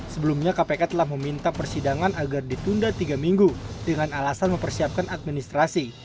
sebelumnya kpk telah meminta persidangan agar ditunda tiga minggu dengan alasan mempersiapkan administrasi